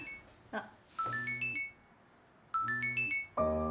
あっ。